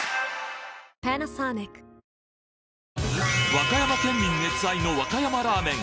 和歌山県民熱愛の和歌山ラーメン